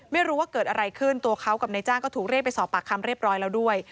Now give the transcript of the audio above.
ไม่รู้ว่าเกิดอะไรขึ้นตัวเขากับนายจ้างก็ถูกเรียกไปสอบปากคำเรียบร้อยแล้วด้วย